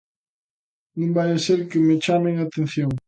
Non vaia ser que me chamen a atención.